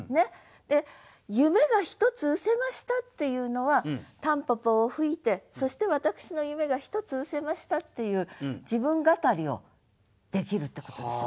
で「夢が一つ失せました」っていうのは蒲公英を吹いてそして私の夢が一つ失せましたっていう自分語りをできるってことでしょ。